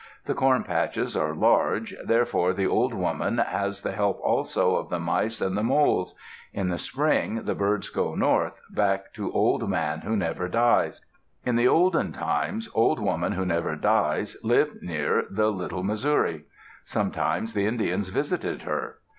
The corn patches are large, therefore the Old Woman has the help also of the mice and the moles. In the spring the birds go north, back to Old Man Who Never Dies. In the olden time, Old Woman Who Never Dies lived near the Little Missouri. Sometimes the Indians visited her.